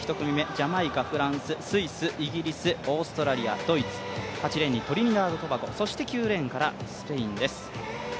ジャマイカ、フランス、スイス、オーストラリア、ドイツ、８レーンにトリニダード・トバゴ、そして９レーンからスペインです。